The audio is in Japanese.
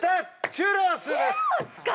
チュロスか！